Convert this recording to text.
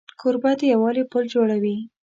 کوربه د یووالي پل جوړوي.